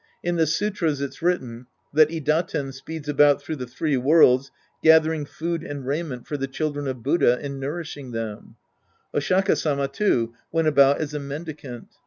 In the sutras it's written that Idaten speeds about through the three worlds gathering food and raiment for the children of Buddha and nourishing them, Oshaka Sama, too, went about as a mendi cant.